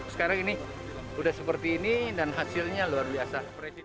sekarang ini sudah seperti ini dan hasilnya luar biasa